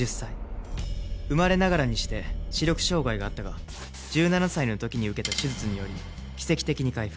生まれながらにして視力障害があったが１７歳の時に受けた手術により奇跡的に回復